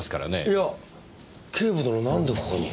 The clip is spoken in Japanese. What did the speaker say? いや警部殿なんでここに？